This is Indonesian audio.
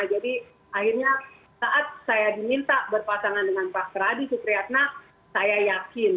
jadi akhirnya saat saya diminta berpasangan dengan pak radhi supriyatna saya yakin